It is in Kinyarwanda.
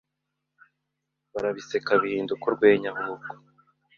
barabiseka bihinduka urwenya ahubwo